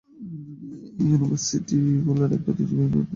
এই ইউনিয়নটি একটি ঐতিহ্যবাহী ইউনিয়ন।